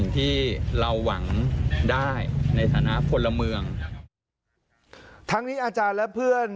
ทั้งนี้อาจารย์และเพื่อน